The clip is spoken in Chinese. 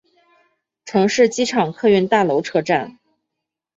城市机场客运大楼车站。